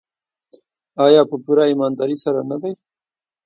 آیا په پوره ایمانداري سره نه دی؟